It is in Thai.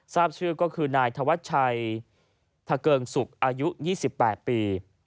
ทราบชื่อก็คือนายธวัชชัยทะเกิงสุกอายุ๒๘ปี